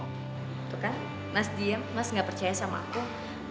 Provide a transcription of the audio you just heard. itu kan mas diem mas gak percaya sama aku